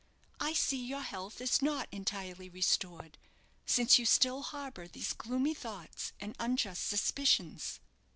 I see your health is not entirely restored, since you still harbour these gloomy thoughts and unjust suspicions."